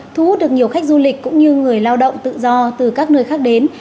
thu hút được nhiều khách du lịch cũng như người lao động tự do từ các nơi khác đến